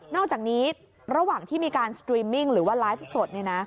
อกจากนี้ระหว่างที่มีการสตรีมมิ่งหรือว่าไลฟ์สด